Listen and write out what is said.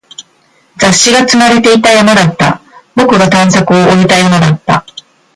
雑誌が積まれていた山だった。僕が探索を終えた山だ。